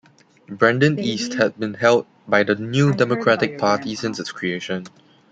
Brandon East had been held by the New Democratic Party since its creation.